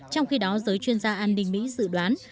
trong khi đó giới chuyên gia an ninh mỹ dự đoán